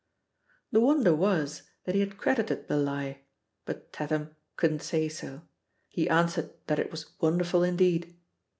The wonder was, that he had credited the lie, but Tatham couldn't say so ; he answered that it was wonderful indeed.